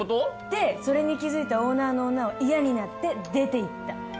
でそれに気づいたオーナーの女は嫌になって出ていった。